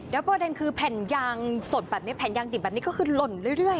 แล้วประเด็นคือแผ่นยางสดแบบนี้แผ่นยางดิบแบบนี้ก็คือหล่นเรื่อย